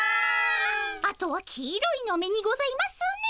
あとは黄色いのめにございますね。